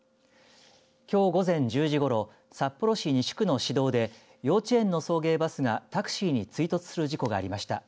きょう午前１０時ごろ札幌市西区の市道で幼稚園の送迎バスがタクシーに追突する事故がありました。